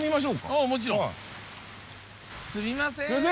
すいません。